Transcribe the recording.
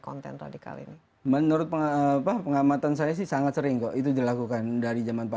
konten radikal ini menurut pengapa pengamatan saya sih sangat sering kok itu dilakukan dari zaman pak